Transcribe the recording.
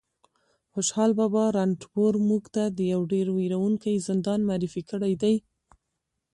خوشحال بابا رنتنبور موږ ته یو ډېر وېروونکی زندان معرفي کړی دی